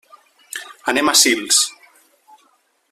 Anem a Sils.